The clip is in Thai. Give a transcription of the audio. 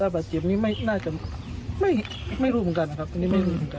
บาดเจ็บนี้ไม่น่าจะไม่รู้เหมือนกันนะครับอันนี้ไม่รู้เหมือนกัน